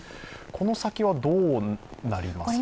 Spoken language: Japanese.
この先はどうなりますか？